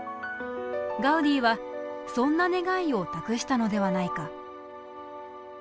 ガウディはそんな願いを託したのではないか。